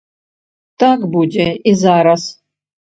Так будзе і зараз.